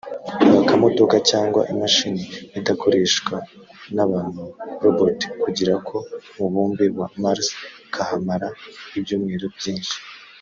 Aka kamodoka cyangwa imashini idakoreshwa n’abantu (robot) kagiye ku mubumbe wa Mars kahamara ibyumweru byinshi